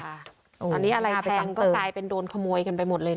ตอนนี้อะไรแพงก็กลายเป็นโดนขโมยกันไปหมดเลยนะ